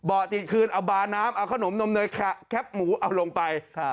ติดคืนเอาบาน้ำเอาขนมนมเนยแคปหมูเอาลงไป